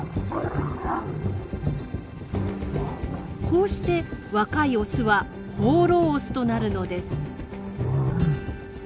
こうして若いオスは放浪オスとなるのです。